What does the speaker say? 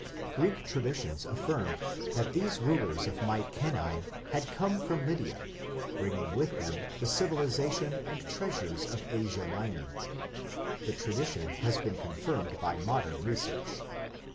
Greek traditions affirmed that the rulers of Mykenae had come from Lydia, bringing with them the civilization and treasures of Asia Minor. The tradition has been confirmed by modern research.